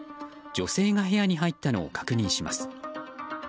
女性が部屋に入ったのを確認します。